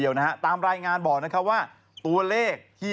๙๐เอ๊ยทำไมมันหลายเลขนะ